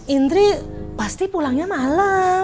indri pasti pulangnya malam